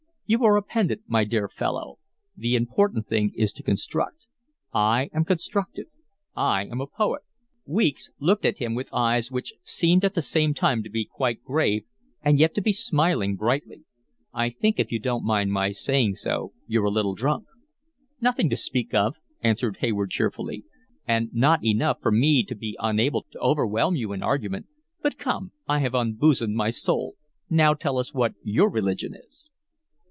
You are a pedant, my dear fellow. The important thing is to construct: I am constructive; I am a poet." Weeks looked at him with eyes which seemed at the same time to be quite grave and yet to be smiling brightly. "I think, if you don't mind my saying so, you're a little drunk." "Nothing to speak of," answered Hayward cheerfully. "And not enough for me to be unable to overwhelm you in argument. But come, I have unbosomed my soul; now tell us what your religion is."